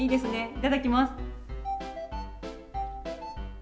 いただきます。